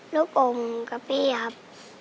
ลูกอมกับพี่ครับ